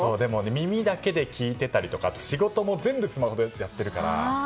耳だけで聞いてたりとかあと、仕事も全部スマホでってやってるから。